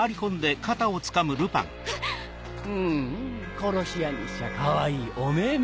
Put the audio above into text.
殺し屋にしちゃかわいいお目目。